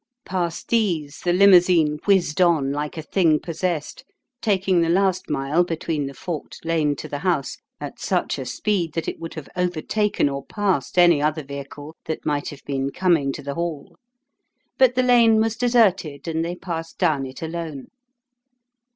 Past these the limousine whizzed on like a thing possessed, taking the last mile between the forked lane to the house at such a speed that it would have overtaken or passed any other vehicle that might have been coming to the hall. But the lane was deserted and they passed down it alone.